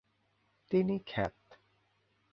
তিনি খ্যাত।